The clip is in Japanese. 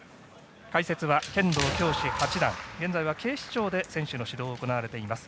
解説は剣道教士八段現在は警視庁で選手の指導を行われています